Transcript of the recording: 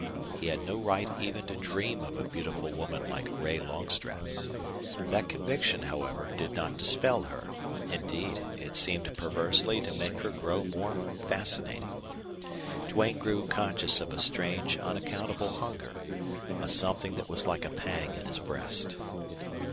He had no right even to dream of a beautiful woman like Ray Longstreth. That conviction, however, did not dispel her; indeed, it seemed perversely to make her grow more fascinating. Duane grew conscious of a strange, unaccountable hunger, a something that was like a pang in his breast.